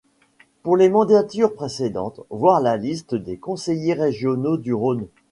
Pour les mandatures précédentes, voir la liste des conseillers régionaux du Rhône.